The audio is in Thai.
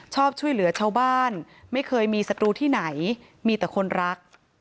ชอบช่วยเหลือชาวบ้านไม่เคยมีศัตรูที่ไหนมีแต่คนรัก